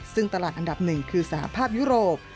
ซึ่งตลาดอันดับหนึ่งคือสหภาพยุโรป